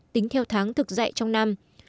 tính theo tháng thực dạy trong năm